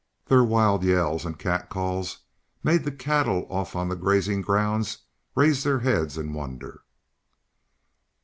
Their wild yells and cat calls made the cattle off on the grazing grounds raise their heads in wonder.